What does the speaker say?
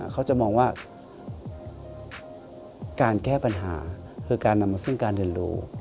เขาจะมองว่าการแก้ปัญหาคือการนำมาซึ่งการเรียนรู้